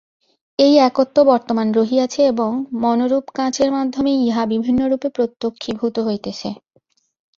এই একত্ব বর্তমান রহিয়াছে এবং মনরূপ কাঁচের মাধ্যমেই ইহা বিভিন্নরূপে প্রত্যক্ষীভূত হইতেছে।